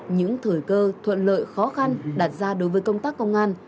những thời cơ thuận lợi khó khăn đạt ra đối với công tác công an